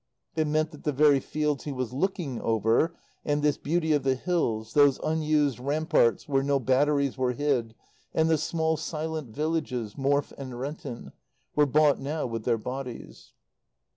It meant that the very fields he was looking over, and this beauty of the hills, those unused ramparts where no batteries were hid, and the small, silent villages, Morfe and Renton, were bought now with their bodies.